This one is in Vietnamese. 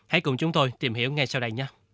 hãy cùng chúng tôi tìm hiểu ngay sau đây